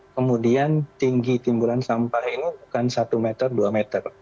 kemudian tinggi timbulan sampah ini bukan satu meter dua meter